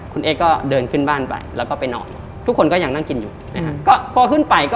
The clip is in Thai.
ขึ้นบ้านไปแล้วก็ไปนอนทุกคนก็ยังนั่งกินอยู่นะฮะก็พอขึ้นไปก็